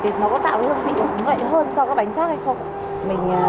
thì nó có tạo hương vị cũng vậy hơn so với bánh khác hay không